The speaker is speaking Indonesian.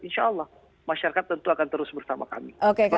insyaallah masyarakat tentu akan terus bersama kami